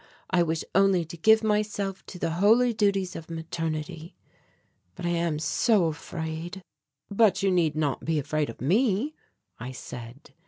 I wish only to give myself to the holy duties of maternity. But I am so afraid." "But you need not be afraid of me," I said.